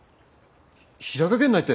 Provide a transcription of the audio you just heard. ひ平賀源内って？